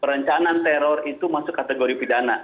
perencanaan teror itu masuk kategori pidana